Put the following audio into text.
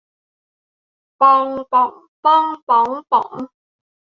ปอง ป่อง ป้อง บ๊อง ป๋อง